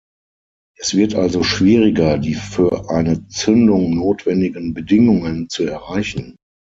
Es wird also schwieriger, die für eine Zündung notwendigen Bedingungen zu erreichen.